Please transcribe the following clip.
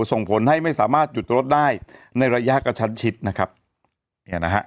ส่งผลให้ไม่สามารถหยุดรถได้ในระยะกระชั้นชิดนะครับเนี่ยนะฮะ